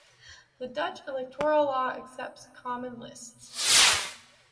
The Dutch electoral law accepts common lists.